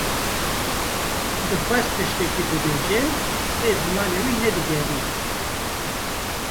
Dixwest tiştekî bibêje; lê zimanê wê ne digeriya.